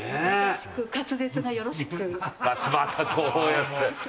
またこうやって。